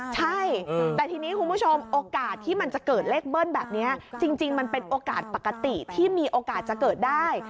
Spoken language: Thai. ใช่แต่ทีนี้คุณผู้ชมโอกาสที่มันจะเกิดเลขเบิ้ลแบบนี้จริงมันเป็นโอกาสปกติที่มีโอกาสจะเกิดได้